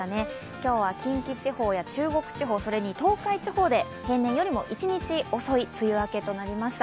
今日は近畿地方や中国地方、それから東海地方で平年より１年遅い梅雨明けとなりました。